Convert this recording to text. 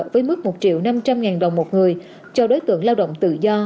với mức một triệu năm trăm linh ngàn đồng một người cho đối tượng lao động tự do